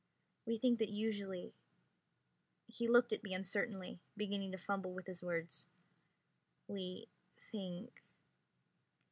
We think that usually ..." He looked at me uncertainly, beginning to fumble his words. "We think